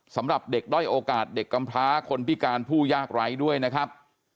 สำหรับเด็กด้อยโอกาสเด็กกำพร้าคนพิการผู้ยากไร้ด้วยนะครับ